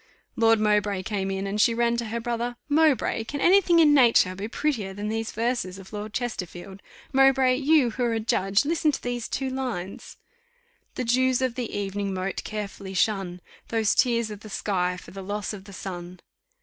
Lord Mowbray came in, and she ran to her brother: "Mowbray! can any thing in nature be prettier than these verses of Lord Chesterfield? Mowbray, you, who are a judge, listen to these two lines: 'The dews of the evening moat carefully shun, Those tears of the sky for the loss of the sun.